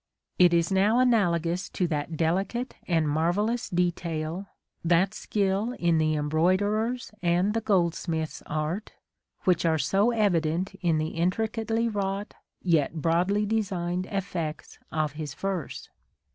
It is now analogous to that delicate and marvellous detail, that skill in the embroiderer's and the goldsmith's art, which are so evident in the intricately wrought yet broadly designed effects of his verse.